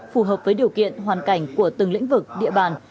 phù hợp với điều kiện hoàn cảnh của từng lĩnh vực địa bàn